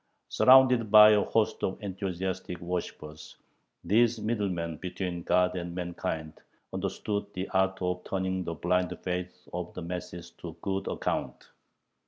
Surrounded by a host of enthusiastic worshipers, these "middlemen between God and mankind" understood the art of turning the blind faith of the masses to good account.